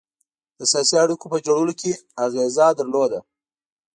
د سیاسي اړېکو په جوړولو کې اغېزه درلوده.